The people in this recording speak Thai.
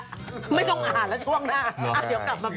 โอลี่คัมรี่ยากที่ใครจะตามทันโอลี่คัมรี่ยากที่ใครจะตามทัน